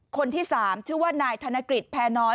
คนที่๓ชื่อว่านายธนกฤษแพรน้อย